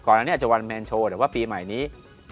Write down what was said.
อันนี้อาจจะวันแมนโชว์หรือว่าปีใหม่นี้